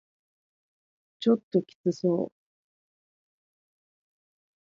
ちょっときつそう